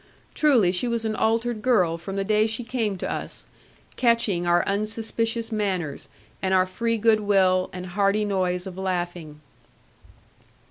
Truly she was an altered girl from the day she came to us; catching our unsuspicious manners, and our free goodwill, and hearty noise of laughing.